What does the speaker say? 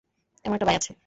এমন একটা ভাই আছে।